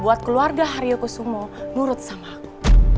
buat keluarga haryo kusumo nurut sama aku